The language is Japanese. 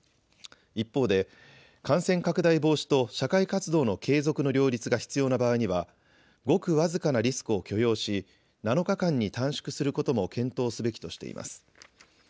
一方で、感染拡大防止と社会活動の継続の両立が必要な場合には、ごく僅かなリスクを許容し、７日間に短縮することも検討すべきとしています。